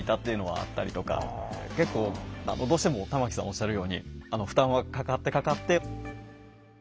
結構どうしても玉木さんおっしゃるように負担はかかってかかって。